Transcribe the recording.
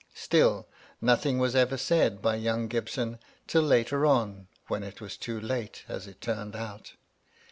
Still, nothing was ever said by young Gibson till later on, when it was too late, as it turned out.